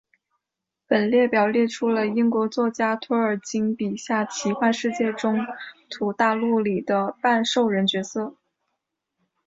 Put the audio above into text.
本列表列出了英国作家托尔金笔下奇幻世界中土大陆里的半兽人角色。